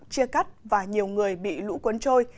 chia cắt và nhiều người bị lũ cuốn trôi